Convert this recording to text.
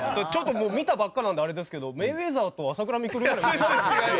見たばっかなんであれですけどメイウェザーと朝倉未来ぐらい。